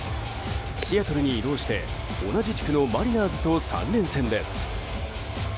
シアトルに移動して同じ地区のマリナーズと３連戦です。